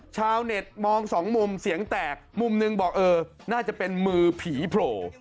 ชาวเน็ตมองสองมุมเสียงแตกมุมหนึ่งบอกเออน่าจะเป็นมือผีโผล่